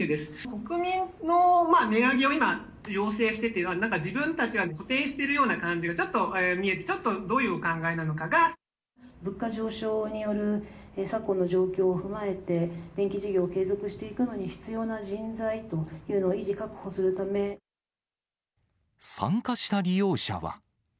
国民の値上げを今、要請してっていうのは、なんか自分たちが補填しているような感じが、ちょっと見えて、物価上昇による昨今の状況を踏まえて、電気事業を継続していくのに必要な人材というのを維持確保するた参加した利用者は。